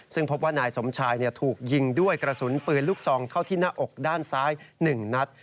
ซึ่งพบว่านายสมชายถูกยิงด้วยกระสุนปืนลูกซองเข้าที่หน้าอกด้านซ้าย๑นัด